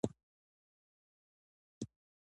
د هنګ بوټی ډیر قیمتي دی